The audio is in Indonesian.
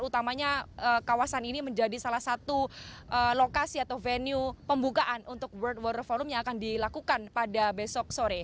utamanya kawasan ini menjadi salah satu lokasi atau venue pembukaan untuk world war forum yang akan dilakukan pada besok sore